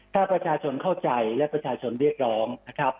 ถ้าประชาชนเข้าใจและประชาชนเรียกร้องนะครับ